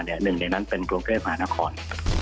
หนึ่งในนั้นเป็นกรุงเทพมหานคร